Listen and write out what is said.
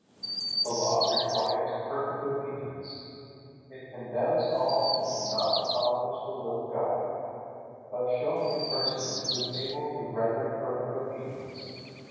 The Law requires perfect obedience. It condemns all who do not accomplish the will of God. But show me a person who is able to render perfect obedience.